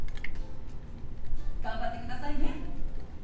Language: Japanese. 頑張ってくださいね。